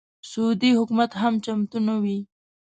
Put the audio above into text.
سعودي حکومت هم چمتو نه وي.